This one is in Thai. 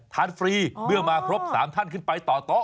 ฟรีเมื่อมาครบ๓ท่านขึ้นไปต่อโต๊ะ